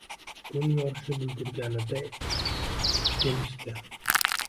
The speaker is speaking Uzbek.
Kun yorishib ulgurganida etib kelishdi